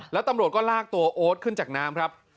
แล้วตำรวจก็ลากตัวโอ๊ตขึ้นจากน้ำครับ